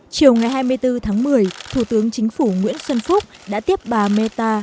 chiều ngày hai mươi bốn tháng một mươi thủ tướng chính phủ nguyễn xuân phúc đã tiếp bà meta